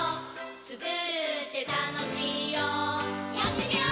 つくるってたのしいよやってみよー！